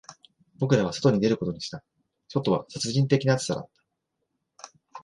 僕らは外に出ることにした、外は殺人的な暑さだった